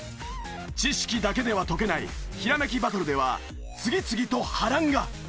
知識だけでは解けないひらめきバトルでは次々と波乱が！